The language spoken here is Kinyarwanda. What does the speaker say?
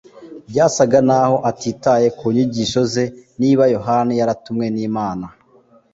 byasaga naho atitaye ku nyigisho ze. Niba Yohana yaratumwe n'Imana